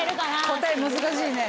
答え難しいね。